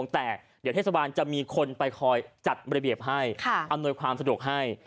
แต่เดี๋ยวเทศบาลจะมีคนไปคอยจัดระเบียบให้อำนวยความสะดวกให้